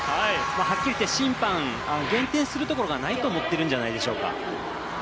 はっきり言って、審判減点するところがないと思ってるんじゃないでしょうか。